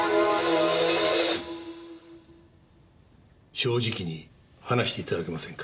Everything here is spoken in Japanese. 正直に話していただけませんか。